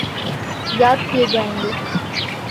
یاد کیے جائیں گے۔